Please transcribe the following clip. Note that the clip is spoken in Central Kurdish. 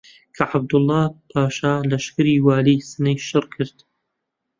کە عەبدوڵڵاهـ پاشا لەشکری والیی سنەی شڕ کرد